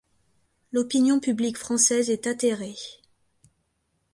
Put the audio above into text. L’opinion publique française est atterrée.